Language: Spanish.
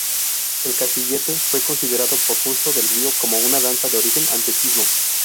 El Castillete, fue considerado por Justo del Río como una danza de origen antiquísimo.